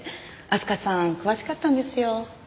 明日香さん詳しかったんですよ。